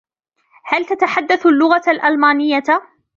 هل تتحدث اللغة الألمانية ؟